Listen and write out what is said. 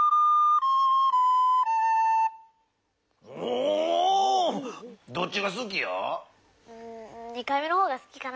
おどっちがすきや？